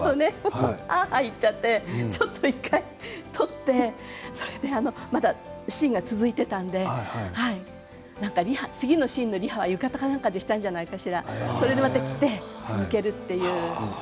あのあとはあはあ言っちゃって、１回とってまだシーンが続いていたので次のシーンのリハは浴衣か何かでしたんじゃないかしら、それでまた着て続けるという。